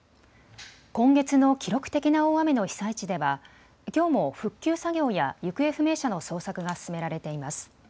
今月の記録的な大雨の被災地ではきょうも復旧作業や行方不明者の捜索が進められています。